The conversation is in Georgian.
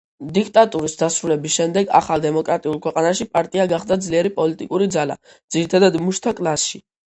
დიქტატურის დასრულების შემდეგ, ახალ დემოკრატიულ ქვეყანაში, პარტია გახდა ძლიერი პოლიტიკური ძალა, ძირითადად მუშთა კლასში.